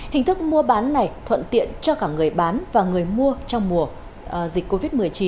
hình thức mua bán này thuận tiện cho cả người bán và người mua trong mùa dịch covid một mươi chín